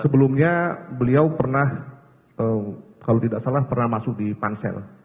sebelumnya beliau pernah kalau tidak salah pernah masuk di pansel